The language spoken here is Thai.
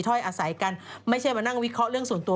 อาศัยกันไม่ใช่มานั่งวิเคราะห์เรื่องส่วนตัว